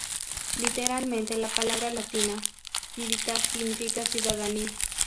Literalmente la palabra latina "civitas" significa "ciudadanía".